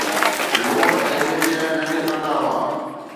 لوڻ ۽ مرچ نه نڪرندا هئا